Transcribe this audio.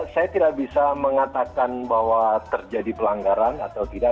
saya tidak bisa mengatakan bahwa terjadi pelanggaran atau tidak